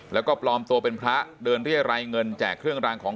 แล้วก็ปลอมตัวเป็นพระเดินเรียรัยเงินแจกเครื่องรางของ